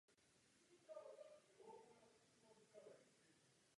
Následně se věnoval správě svého statku.